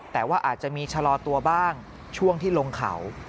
แต่ว่าอาจจะมีชะลอตัวบ้างช่วงที่ลงเขา